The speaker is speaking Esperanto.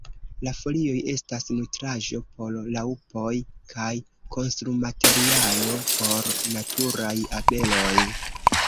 La folioj estas nutraĵo por raŭpoj kaj konstrumaterialo por naturaj abeloj.